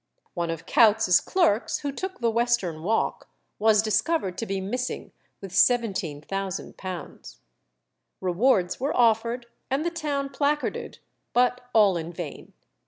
One of Coutts's clerks, who took the western walk, was discovered to be missing with £17,000. Rewards were offered, and the town placarded, but all in vain.